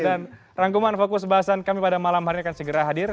dan rangkuman fokus bahasan kami pada malam hari akan segera hadir